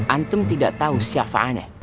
antum tidak tahu siapa aneh